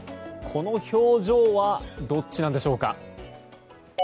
この表情はどっちなのでしょうか。